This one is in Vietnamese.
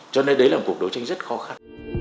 cho nên đấy là một cuộc đấu tranh rất khó khăn